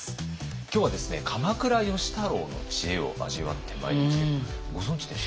今日はですね鎌倉芳太郎の知恵を味わってまいりますけどご存じでした？